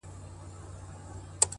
گراني ټوله شپه مي؛